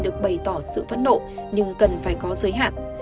được bày tỏ sự phẫn nộ nhưng cần phải có giới hạn